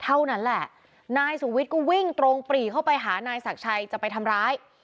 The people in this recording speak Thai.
เท่านั้นแหละนายสุวิทย์ก็วิ่งตรงปรีเข้าไปหานายศักดิ์ชัยจะไปทำร้าย